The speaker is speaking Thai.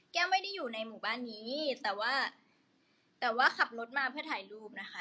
ไม่ได้อยู่ในหมู่บ้านนี้แต่ว่าแต่ว่าขับรถมาเพื่อถ่ายรูปนะคะ